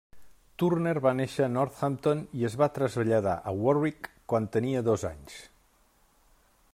Turner va néixer a Northampton i es va traslladar a Warwick quan tenia dos anys.